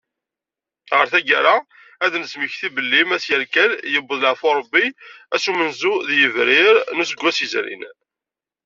Ɣer taggara, ad nesmekti belli Mass Yarkal yewweḍ leɛfu Rebbi ass n umenzu deg yebrir n useggas yezrin.